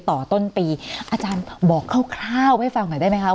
ต่อต้นปีอาจารย์บอกคร่าวไว้ฟังเฉยได้ไหมคะ